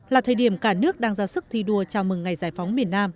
là thời điểm cả nước đang ra sức thi đua chào mừng ngày giải phóng miền nam